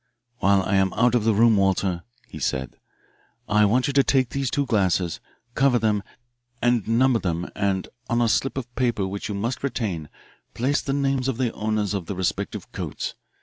"While I am out of the room, Walter," he said, "I want you to take these two glasses, cover them, and number them and on a slip of paper which you must retain, place the names of the owners of the respective coats.